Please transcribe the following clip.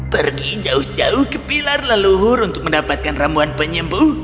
pergi jauh jauh ke pilar leluhur untuk mendapatkan ramuan penyembuh